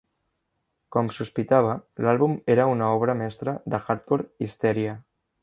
Com sospitava, l'àlbum era una obra mestra de hardcore hysteria.